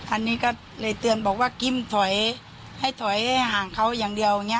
อันนี้ก็เลยเตือนบอกว่ากิ้มถอยให้ถอยห่างเขาอย่างเดียวอย่างนี้